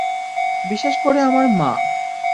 বিশেষ করে আমার মা!